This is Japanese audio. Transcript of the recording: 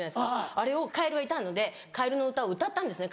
あれをカエルがいたので「かえるのうた」を歌ったんですね